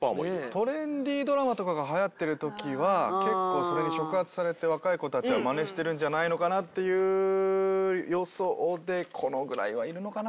トレンディードラマとかが流行ってる時は結構それに触発されて若い子たちはマネしてるんじゃないのかな？っていう予想でこのぐらいはいるのかな？